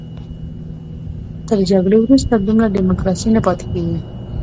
تر جګړې وروسته دومره ډیموکراسي نه پاتې کېږي.